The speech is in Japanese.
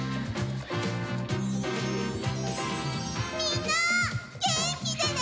みんなげんきでね！